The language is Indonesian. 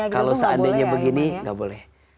kalau seandainya begini nggak boleh